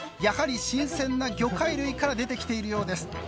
やはり新鮮な魚介類から出てきているようです。